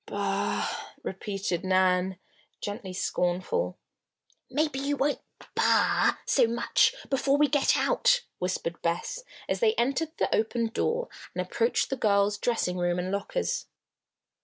"Bah!" repeated Nan, gently scornful. "Maybe you won't 'bah' so much before we get out," whispered Bess, as they entered the open door and approached the girls' dressing room and lockers.